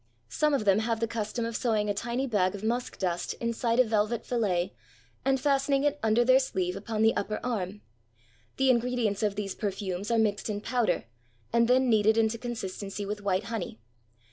Some of them have the custom of sewing a tiny bag of musk dust inside a velvet fillet, and fastening it under their sleeve upon the upper arm. The ingredients of these perfumes are mixed in powder and then kneaded into consist ency with white honey.